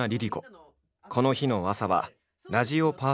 この日の朝はラジオパーソナリティ。